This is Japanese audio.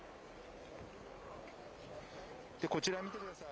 こちら見てください。